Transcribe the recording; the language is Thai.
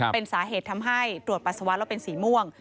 เป็นสาเหตุทำให้ตรวจปัสสาวะแล้วเป็นสีม่วง